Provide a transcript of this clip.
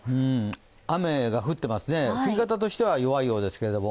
雨が降ってますね、降り方としては弱いようですけれども。